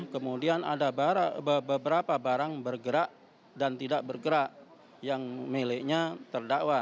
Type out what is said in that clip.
kemudian ada beberapa barang bergerak dan tidak bergerak yang miliknya terdakwa